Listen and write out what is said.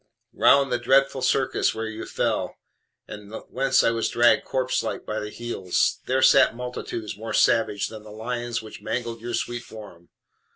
Round the dreadful circus where you fell, and whence I was dragged corpselike by the heels, there sat multitudes more savage than the lions which mangled your sweet form!